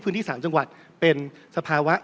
พื้นที่สามจังหวัดเป็นสภาวะ